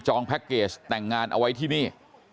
จองแป๊กเกจแต่งงานเอาไว้ที่นี่